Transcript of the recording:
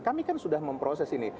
kami kan sudah memproses ini